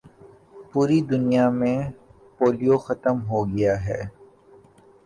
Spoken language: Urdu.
پوری دنیا میں پولیو ختم ہو گیا ہے